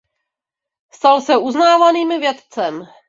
Stal se uznávaným vědcem.